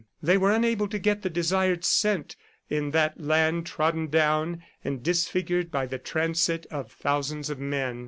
They were unable to get the desired scent in that land trodden down and disfigured by the transit of thousands of men.